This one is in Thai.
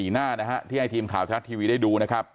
หน้านะฮะที่ให้ทีมข่าวทรัฐทีวีได้ดูนะครับ